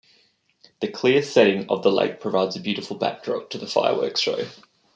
The clear setting of the lake provides a beautiful backdrop to the fireworks show.